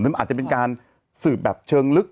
มันอาจจะเป็นการสืบแบบเชิงลึก